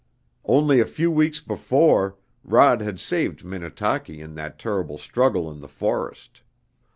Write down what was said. Only a few weeks before Rod had saved Minnetaki in that terrible struggle in the forest.